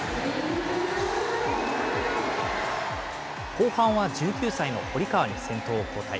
後半は１９歳の堀川に先頭を交代。